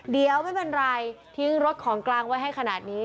เดี๋ยวไม่เป็นไรทิ้งรถของกลางไว้ให้ขนาดนี้